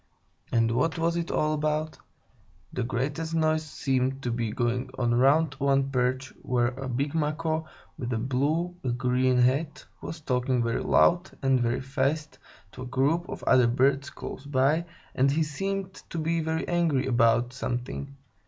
And what was it all about? The greatest noise seemed to be going on round one perch, where a big Macaw, with a blue and green head, was talking very loud and very fast to a group of other birds close by, and he seemed to be very angry about something.